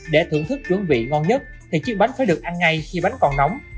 để thưởng thức chuẩn vị ngon nhất thì chiếc bánh phải được ăn ngay khi bánh còn nóng